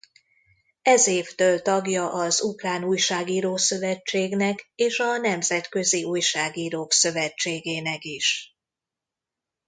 Ez évtől tagja az Ukrán Újságíró Szövetségnek és a Nemzetközi Újságírók Szövetségének is.